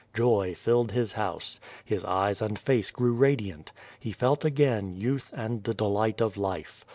Joy filled his house. His eyes and face grew radiant. He felt again youth and the delight of life.